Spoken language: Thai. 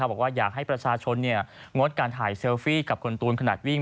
บอกว่าอยากให้ประชาชนงดการถ่ายเซลฟี่กับคุณตูนขนาดวิ่ง